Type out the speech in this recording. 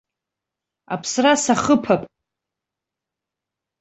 Аԥсра сахыԥап.